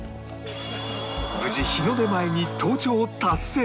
無事日の出前に登頂達成！